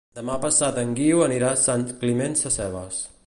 Demà passat en Guiu anirà a Sant Climent Sescebes.